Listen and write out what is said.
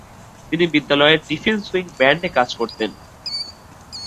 তিনি বিদ্যালয়ের tiffin swing ব্যান্ড-এ কাজ করতেন।